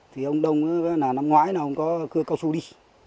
thì ông đông là năm ngoái là ông có cưa cao su đi